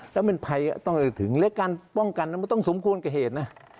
แล้วมันภัยต้องอะไรถึงและการป้องกันมันต้องสมควรกับเหตุนะ